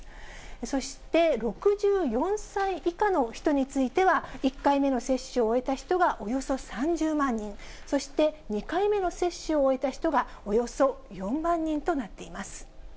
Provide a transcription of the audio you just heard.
そして６４歳以下の人については、１回目の接種を終えた人がおよそ３０万人、そして２回目の接種を終えた人がおよそ４万人となっています。